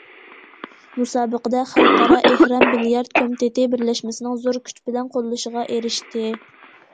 مۇسابىقىدە خەلقئارا ئېھرام بىليارت كومىتېتى بىرلەشمىسىنىڭ زور كۈچ بىلەن قوللىشىغا ئېرىشتى.